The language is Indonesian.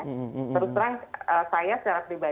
hukum hukum itu tidak ada stylingnya